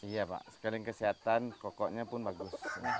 iya pak sekalian kesehatan kokoknya pun bagus